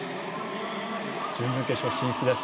準々決勝進出です。